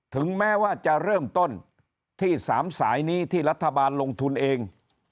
ถึงแม้ว่าจะเริ่มต้นที่๓สายนี้ที่รัฐบาลลงทุนเอง